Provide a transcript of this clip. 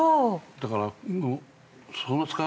だから。